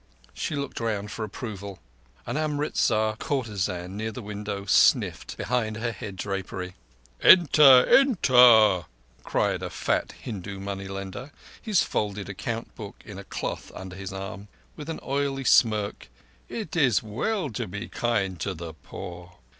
She looked round for approval. An Amritzar courtesan near the window sniffed behind her head drapery. "Enter! Enter!" cried a fat Hindu money lender, his folded account book in a cloth under his arm. With an oily smirk: "It is well to be kind to the poor."